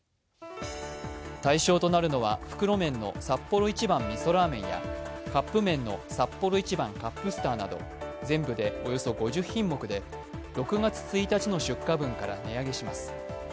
対象となるのは袋麺のサッポロ一番みそラーメンやカップ麺のサッポロ一番カップスターなど全部でおよそ５０品目で、６月１日の出荷分から値上げします。